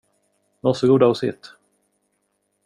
Varsågoda och sitt.